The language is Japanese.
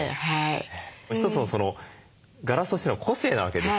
一つのガラスとしての個性なわけですよね。